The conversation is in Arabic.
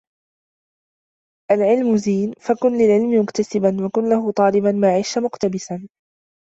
العلم زين فكن للعلم مكتسبا وكن له طالبا ما عشت مقتبسا